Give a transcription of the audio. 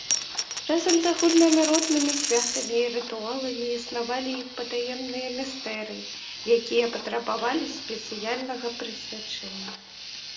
Разам з агульнанароднымі святамі і рытуаламі існавалі і патаемныя містэрыі, якія патрабавалі спецыяльнага прысвячэння.